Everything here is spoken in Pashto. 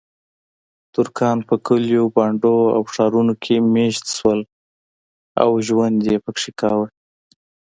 ترکان په کلیو، بانډو او ښارونو کې میشت شول او ژوند یې پکې کاوه.